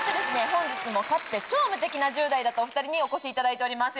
本日もかつて超無敵な１０代だったお２人にお越しいただいてます